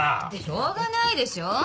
しょうがないでしょ。